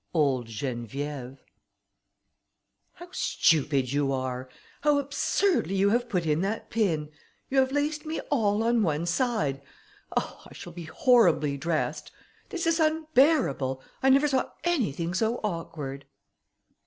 OLD GENEVIÈVE. "How stupid you are! How absurdly you have put in that pin! You have laced me all on one side. Oh! I shall be horribly dressed; this is unbearable: I never saw anything so awkward."